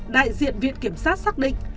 đại diện viện kiểm sát xác định